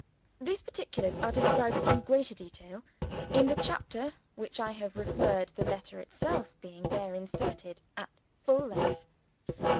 These particulars are described in greater detail in the chapter to which I have referred; the letter itself being there inserted at full length.